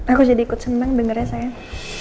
aku jadi ikut seneng dengernya sayang